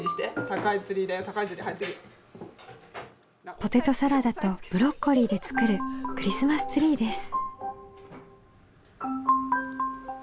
ポテトサラダとブロッコリーで作るクリスマスツリーです。